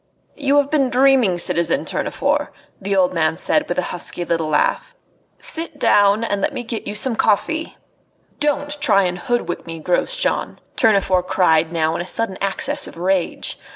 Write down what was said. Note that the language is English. "You have been dreaming, citizen Tournefort," the old man said, with a husky little laugh. "Sit down, and let me get you some coffee " "Don't try and hoodwink me, Grosjean!" Tournefort cried now in a sudden access of rage.